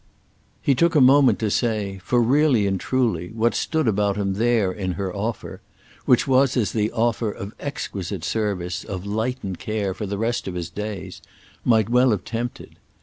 He took a moment to say, for, really and truly, what stood about him there in her offer—which was as the offer of exquisite service, of lightened care, for the rest of his days—might well have tempted.